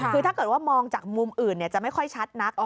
คือถ้าเกิดว่ามองจากมุมอื่นจะไม่ค่อยชัดนัก